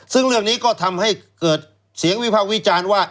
ซึ่งเรื่องนี้ก็ทำให้เกิดเสียงวิพากษ์วิจารณ์ว่า